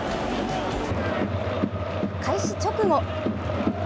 開始直後。